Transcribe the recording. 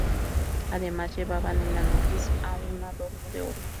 Además, llevaban en la nariz un adorno de oro.